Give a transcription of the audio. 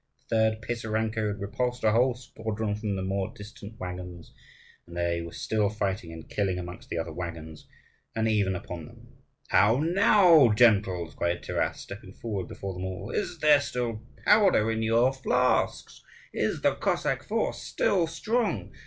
The third Pisarenko had repulsed a whole squadron from the more distant waggons; and they were still fighting and killing amongst the other waggons, and even upon them. "How now, gentles?" cried Taras, stepping forward before them all: "is there still powder in your flasks? Is the Cossack force still strong?